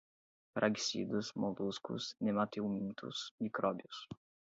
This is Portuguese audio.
praguicidas, moluscos, nematelmintos, micróbios